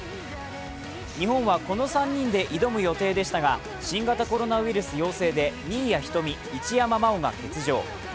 日本はこの３人で挑む予定でしたが新型コロナウイルス陽性で新谷仁美、一山麻緒が欠場。